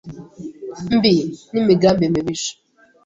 mbi n’imigambi mibisha